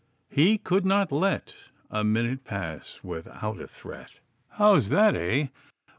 "He could not let A minute pass without a threat." How's that, eh?